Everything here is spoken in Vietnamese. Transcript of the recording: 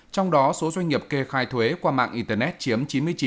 trong đó số doanh nghiệp kê khai thuế qua mạng internet chiếm chín mươi chín chín mươi chín